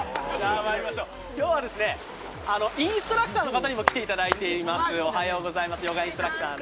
今日はインストラクターの方にも来ていただいています。